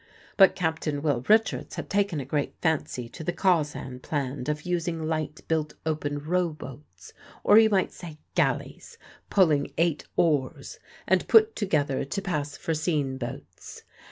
But Captain Will Richards had taken a great fancy to the Cawsand plan of using light built open row boats or, as you might say, galleys, pulling eight oars, and put together to pass for sean boats.